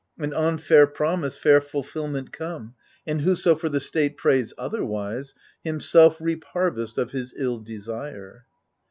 And on fair promise fair fulfilment come 1 And whoso for the state prays otherwise. Himself reap harvest of his ill desire